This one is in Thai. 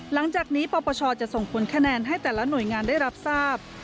หลังจากนี้ปปชจะส่งผลคะแนนให้แต่ละหน่วยงานได้รับทราบ